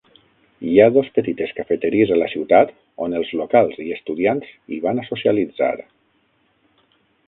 Hi ha dos petites cafeteries a la ciutat on els locals i estudiants hi van a socialitzar.